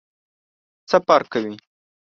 څه فرق کوي ؟